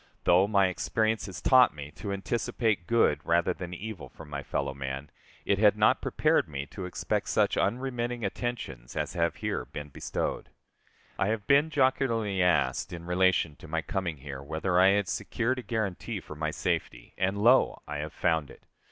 Though my experience has taught me to anticipate good rather than evil from my fellow man, it had not prepared me to expect such unremitting attentions as have here been bestowed. I have been jocularly asked in relation to my coming here, whether I had secured a guarantee for my safety, and lo! I have found it.